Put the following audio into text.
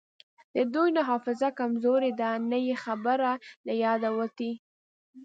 د دوی نه حافظې کمزورې دي نه یی خبره له یاده وتې